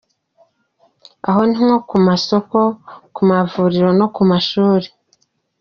Aho ni nko ku masoko, ku mavuriro no ku mashuri.